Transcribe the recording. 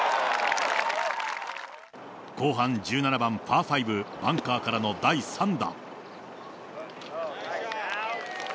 後半１７番パー５、バンカーからの第３打。